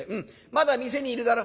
まだ店にいるだろ。